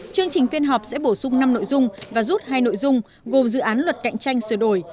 chương trình phiên họp sẽ bổ sung năm nội dung và rút hai nội dung gồm dự án luật cạnh tranh sửa đổi